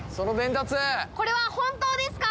これは本当ですか？